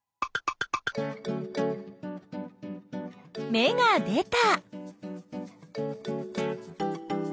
芽が出た！